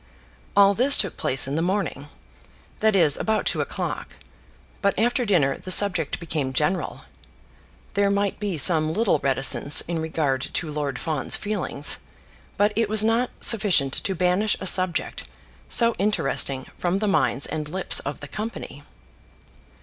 All this took place in the morning; that is, about two o'clock; but after dinner the subject became general. There might be some little reticence in regard to Lord Fawn's feelings, but it was not sufficient to banish a subject so interesting from the minds and lips of the company.